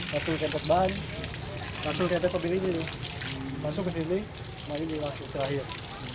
masuk ke tempat bang masuk ke tempat pembinaan ini masuk ke sini kembali ke tempat terakhir